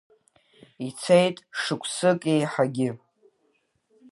Ицеит шықәсык еиҳагьы.